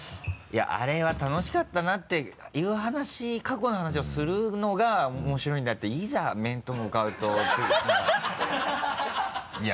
「あれは楽しかったな」っていう話過去の話をするのが面白いんであっていざ面と向かうとって何か。